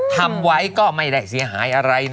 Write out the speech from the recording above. ทำไว้ก็ไม่ได้เสียหายอะไรนะ